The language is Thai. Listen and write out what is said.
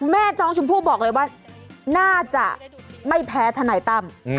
แม่น้องชมพู่บอกเลยว่าน่าจะไม่แพ้ทนายตั้ม